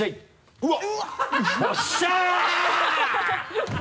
うわっ！